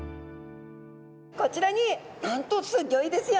こちらになんとすギョいですよ。